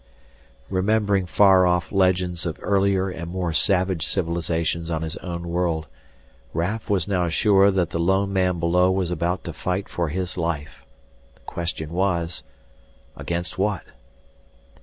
Remembering far off legends of earlier and more savage civilizations on his own world, Raf was now sure that the lone man below was about to fight for his life. The question was, against what?